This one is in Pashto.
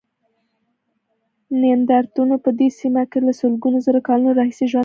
نیاندرتالانو په دې سیمه کې له سلګونو زره کلونو راهیسې ژوند کاوه.